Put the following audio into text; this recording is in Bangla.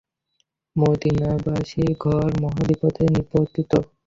মদীনাবাসী ঘোর মহাবিপদে নিপতিত।